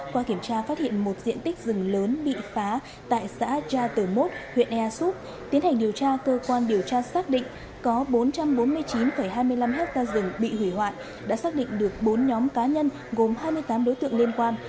qua kiểm tra phát hiện một diện tích rừng lớn bị phá tại xã gia tờ mốt huyện ea súp tiến hành điều tra cơ quan điều tra xác định có bốn trăm bốn mươi chín hai mươi năm hectare rừng bị hủy hoại đã xác định được bốn nhóm cá nhân gồm hai mươi tám đối tượng liên quan